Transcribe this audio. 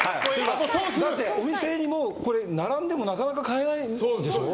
だってお店に並んでもなかなか買えないんでしょ。